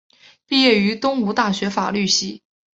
毕业于东吴大学法律系。